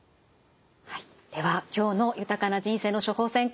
はいでは今日の「豊かな人生の処方せん」